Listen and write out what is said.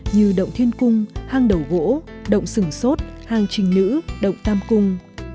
như động thiên cung hang đầu gỗ động sửng sốt hang trình nữ động tam cung